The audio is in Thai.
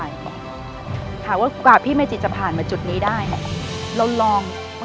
ยากกว่าจะทำได้ค่ะ